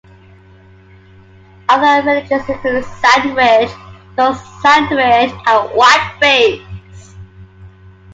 Other villages include Sandwich, North Sandwich, and Whiteface.